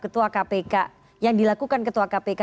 ketua kpk yang dilakukan ketua kpk